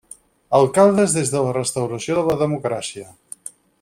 Alcaldes des de la restauració de la democràcia.